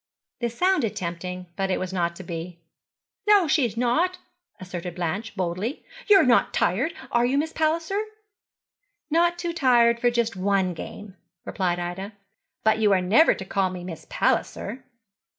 This sounded tempting, but it was not to be. 'No she's not,' asserted Blanche, boldly. 'You're not tired, are you, Miss Palliser?' 'Not too tired for just one game,' replied Ida. 'But you are never to call me Miss Palliser.'